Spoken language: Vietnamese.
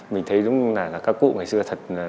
mình thấy giống như là các cụ ngày xưa thật